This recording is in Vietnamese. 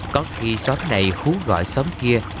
có khi xóm này hú gọi xóm kia